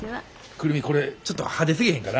久留美これちょっと派手すぎへんかな？